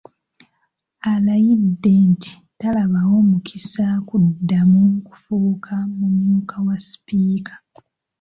Alayidde nti talabawo mukisa kuddamu kufuuka mumyuka wa Sipiika.